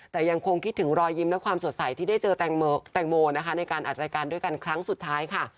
แต่ยังคงคิดถึงรอยยิ้มและความสดใสที่ได้เจอแตงโมนะคะในการอัดรายการด้วยกันครั้งสุดท้ายค่ะ